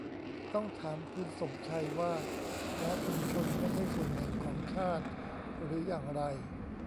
ต้องถามคุณสมชัยว่าแล้วชุมชนไม่ใช่ส่วนหนึ่งของชาติหรืออย่างไร